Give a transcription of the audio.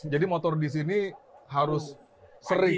jadi motor disini harus sering